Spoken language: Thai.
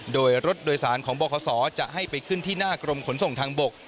โดยรถโดยสารของบขจะให้ไปขึ้นที่หน้ากรมขนส่งทางบก